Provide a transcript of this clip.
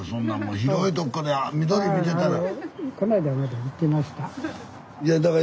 広いとこで緑見てたら。